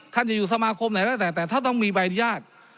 ท่านจะอยู่สมาคมไหนแล้วแต่แต่ท่านต้องมีใบอนุญาต